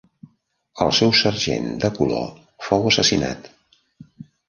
El seu sergent de color fou assassinat.